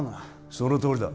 そのとおりだ